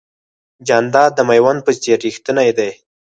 جانداد د مېوند په څېر رښتینی دی.